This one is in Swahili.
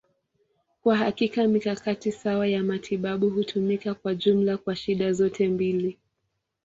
Kwa hakika, mikakati sawa ya matibabu hutumika kwa jumla kwa shida zote mbili.